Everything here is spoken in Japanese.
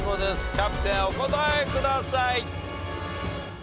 キャプテンお答えください。